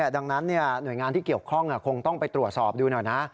ดังนั้นหน่วยงานที่เกี่ยวข้องคงต้องไปตรวจสอบดูหน่อยนะ